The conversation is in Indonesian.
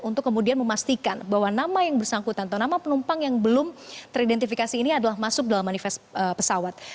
untuk kemudian memastikan bahwa nama yang bersangkutan atau nama penumpang yang belum teridentifikasi ini adalah masuk dalam manifest pesawat